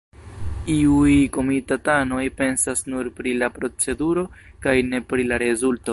Iuj komitatanoj pensas nur pri la proceduro kaj ne pri la rezulto.